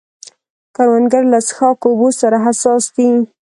کروندګر له څښاک اوبو سره حساس دی